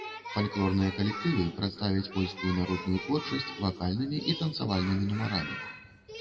Фальклорныя калектывы прадставяць польскую народную творчасць вакальнымі і танцавальнымі нумарамі.